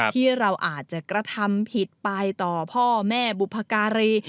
ที่เราอาจจะกระทำผิดไปต่อพ่อแม่บุพการี